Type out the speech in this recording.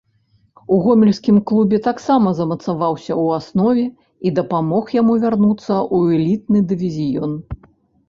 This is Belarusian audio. У гомельскім клубе таксама замацаваўся ў аснове і дапамог яму вярнуцца ў элітны дывізіён.